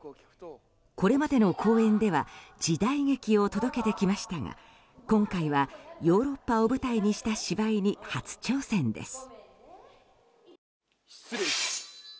これまでの公演では時代劇を届けてきましたが今回はヨーロッパを舞台にした芝居に初挑戦です。